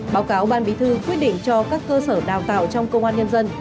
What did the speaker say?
báo cáo ban bí thư quyết định cho các cơ sở đào tạo trong công an nhân dân